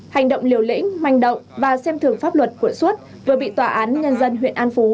hành động liều lĩnh manh động và xem thường pháp luật của xuất vừa bị tòa án nhân dân huyện an phú